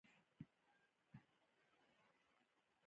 آیا ځینې یې وزیران شوي نه دي؟